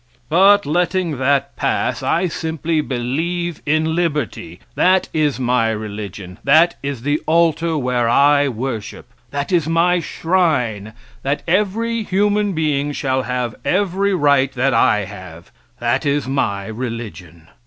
But letting that pass I simply believe in liberty; that is my religion; that is the altar where I worship; that is my shrine that every human being shall have every right that I have that is my religion.